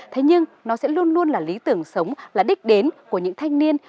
thế nhưng nó sẽ luôn luôn là lý tưởng sống là đích đến của những thanh niên